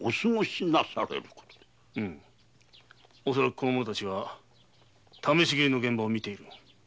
この者たちは試し斬りの現場を見ている。